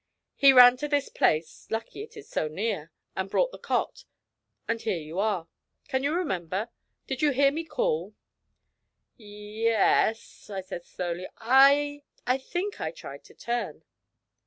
He ran to this place (lucky it is so near), and brought the cot, and here you are. Can you remember? Did you hear me call?' 'Y yes,' I said slowly, 'I I think I tried to turn.'